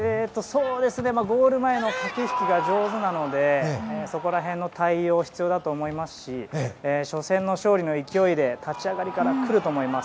ゴール前の駆け引きが上手なのでそこら辺の対応は必要だと思いますし初戦の勝利の勢いで立ち上がりからくると思います。